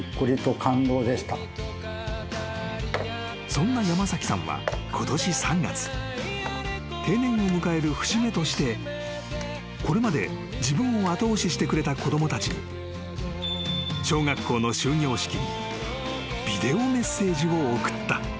［そんな山崎さんはことし３月］［定年を迎える節目としてこれまで自分を後押ししてくれた子供たちに小学校の終業式にビデオメッセージを送った］